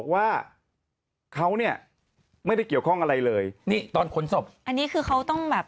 ว่าเขาเนี่ยไม่ได้เกี่ยวข้องอะไรเลยนี่ตอนขนศพอันนี้คือเขาต้องแบบ